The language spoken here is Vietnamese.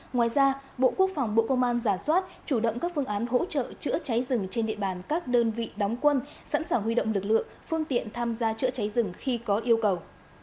ngoài ra bộ quốc phòng bộ công an giả soát chủ động các phương án hỗ trợ chữa cháy rừng trên địa bàn các đơn vị đóng quân sẵn sàng huy động lực lượng phương tiện tham gia chữa cháy rừng khi có yêu cầu